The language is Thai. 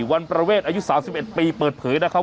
วันประเวทอายุ๓๑ปีเปิดเผยนะครับ